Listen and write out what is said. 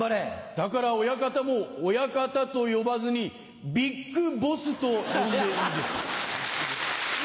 だから親方も「親方」と呼ばずに「ビッグボス」と呼んでいいですか。